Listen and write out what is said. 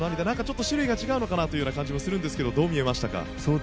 何か種類が違うのかなという感じがするんですがどう見えましたか？